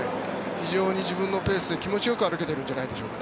非常に自分のペースで気持ちよく歩けているんじゃないでしょうか。